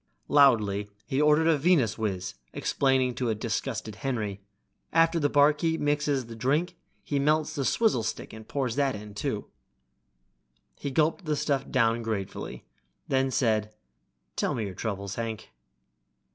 Loudly he ordered a Venuswiz, explaining to a disgusted Henry, "After the barkeep mixes the drink he melts the swizzle stick and pours that in, too." He gulped the stuff down gratefully, then said, "Tell me your troubles, Hank."